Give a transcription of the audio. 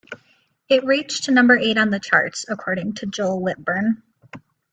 It reached number eight on the charts, according to Joel Whitburn.